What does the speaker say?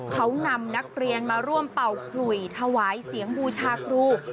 เขานำนักเรียนมาร่วมเป่าขลุยถวายเสียงบูชาครู